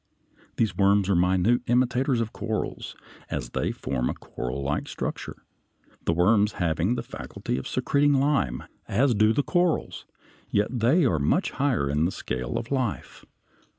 These worms are minute imitators of corals, as they form a corallike structure, the worms having the faculty of secreting lime, as do the corals, yet they are much higher in the scale of life.